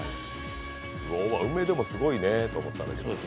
梅でもすごいねと思ったんだけど。